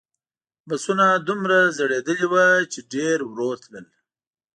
بسونه دومره زړیدلي وو چې ډېر ورو تلل.